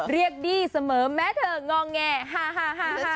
เรียกดีเสมอแม้เธององแงฮ่า